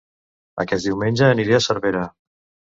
Aquest diumenge aniré a Cervera